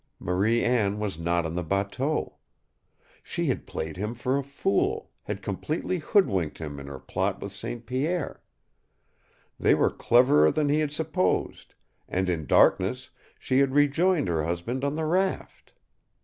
Marie Anne was not on the bateau. She had played him for a fool, had completely hoodwinked him in her plot with St. Pierre. They were cleverer than he had supposed, and in darkness she had rejoined her husband on the raft!